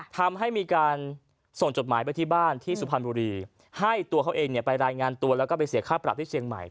ทำให้มีการส่งจดหมายไปที่บ้านที่สุพรรณบุรีให้ตัวเขาเองเนี่ยไปรายงานตัวแล้วก็ไปเสียค่าปรับที่เชียงใหม่